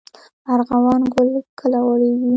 ارغوان ګل کله غوړیږي؟